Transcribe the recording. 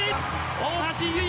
大橋悠依。